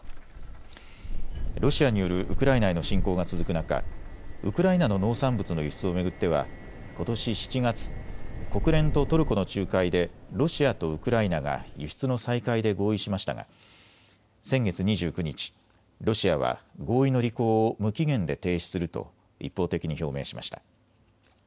ロシアによるウクライナへの侵攻が続く中、ウクライナの農産物の輸出を巡ってはことし７月、国連とトルコの仲介でロシアとウクライナが輸出の再開で合意しましたが先月２９日、ロシアは合意の履行を無期限で停止すると一方的に表明しました。